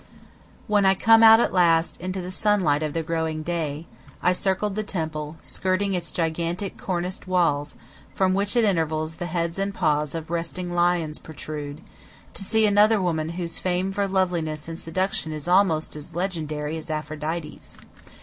When I came out at last into the sunlight of the growing day, I circled the temple, skirting its gigantic, corniced walls, from which at intervals the heads and paws of resting lions protrude, to see another woman whose fame for loveliness and seduction is almost as legendary as Aphrodite's.